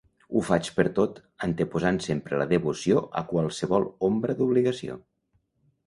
Ho faig pertot, anteposant sempre la devoció a qualsevol ombra d'obligació.